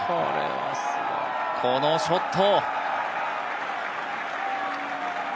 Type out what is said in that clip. このショット！